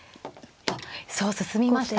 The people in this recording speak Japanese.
そう進みました。